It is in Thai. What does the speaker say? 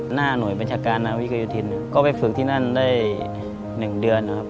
หน้าหน่วยบัญชาการนาวิกโยธินก็ไปฝึกที่นั่นได้๑เดือนนะครับ